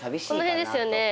この辺ですよね。